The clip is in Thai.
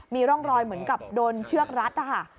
มีร่องรอยเหมือนกับโดนเชือกรัดนะคะ